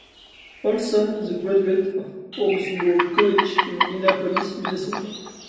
Olson is a graduate of Augsburg College in Minneapolis, Minnesota.